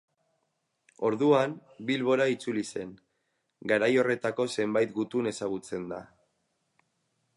Orduan, Bilbora itzuli zen; garai horretako zenbait gutun ezagutzen da.